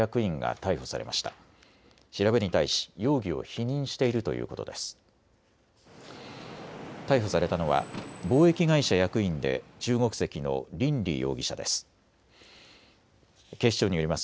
逮捕されたのは貿易会社役員で中国籍の林俐容疑者です。